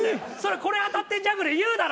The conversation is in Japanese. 「これ当たってんじゃん！」ぐらい言うだろ！